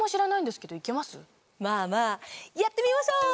まぁまぁやってみましょう！